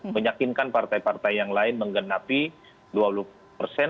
menyakinkan partai partai yang lain menggenapi dua puluh persen